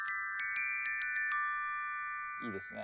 いいですね。